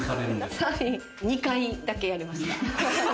２回だけやりました。